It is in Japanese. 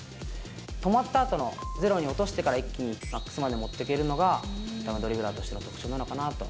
止まったあとのゼロに落としたあとに一気にマックスまで持っていけるのが、ドリブラーとしての特徴なのかなと。